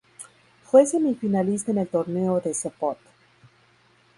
Fue semifinalista en el Torneo de Sopot.